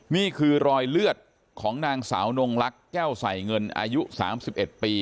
นี่คือรอยเลือดของนางสาวนงลักษณ์แก้วใส่เงินอายุ๓๑ปี